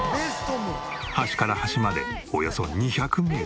端から端までおよそ２００メートル。